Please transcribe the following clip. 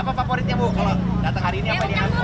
apa favoritnya bu kalau datang hari ini apa dia